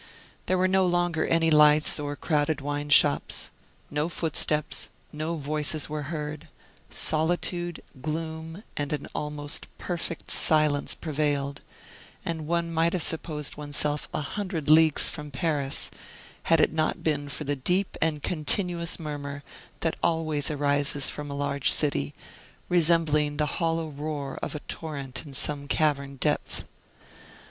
There were no longer any lights or crowded wine shops. No footsteps, no voices were heard; solitude, gloom, and an almost perfect silence prevailed; and one might have supposed oneself a hundred leagues from Paris, had it not been for the deep and continuous murmur that always arises from a large city, resembling the hollow roar of a torrent in some cavern depth.